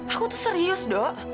aku tuh serius dok